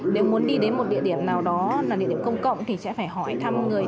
nếu muốn đi đến một địa điểm nào đó là địa điểm công cộng thì sẽ phải hỏi thăm người